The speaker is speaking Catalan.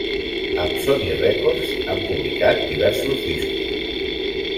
Amb Sony Records han publicat diversos discos.